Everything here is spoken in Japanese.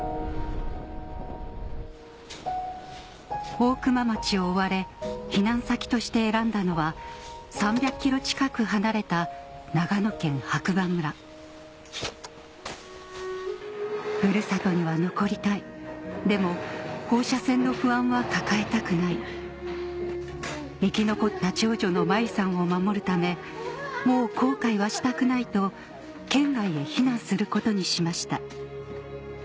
大熊町を追われ避難先として選んだのは３００ｋｍ近く離れた長野県白馬村ふるさとには残りたいでも放射線の不安は抱えたくない生き残った長女の舞雪さんを守るためもう後悔はしたくないと県外へ避難することにしました